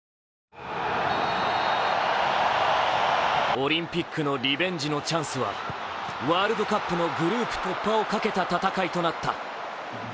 オリンピックのリベンジのチャンスは、ワールドカップのグループ突破をかけた戦いとなった。